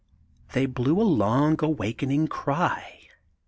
They blew a long awakening cry.